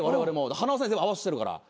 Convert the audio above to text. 塙さんに全部合わせてるから。